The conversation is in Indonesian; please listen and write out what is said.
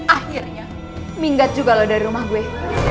akhirnya minggat juga loh dari rumah gue